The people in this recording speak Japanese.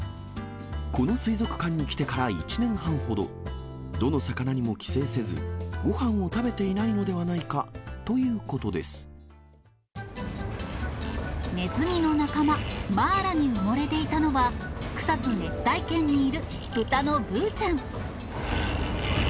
この水族館に来てから１年半ほど、どの魚にも寄生せず、ごはんを食べていないのではないかというこねずみの仲間、マーラに埋もれていたのは、草津熱帯圏にいる豚のぶーちゃん。